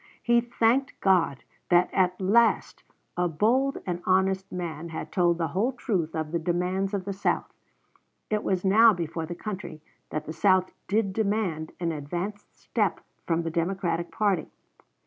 He thanked God that at last a bold and honest man had told the whole truth of the demands of the South. It was now before the country that the South did demand an advanced step from the Democratic party.